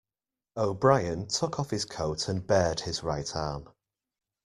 O'Brien took off his coat and bared his right arm.